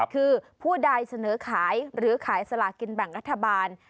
คือผู้ใดเสนอขายหรือขายสลากินแบ่งรัฐบาล